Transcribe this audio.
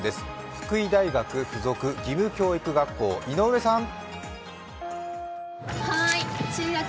福井大学附属義務教育学校、井上さん。